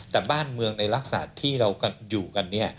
แต่บ้านเมืองในลักษณะที่เราอยู่กัน